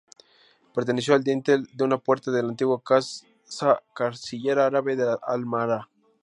Perteneció al dintel de una puerta de la antigua casa-cancillería árabe de La Alhambra.